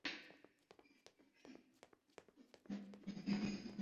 عمران خان کا قدم بھی ساتویں دھائی کی دہلیز پر ہے۔